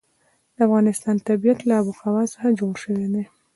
د افغانستان طبیعت له آب وهوا څخه جوړ شوی دی.